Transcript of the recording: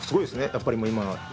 やっぱり今選手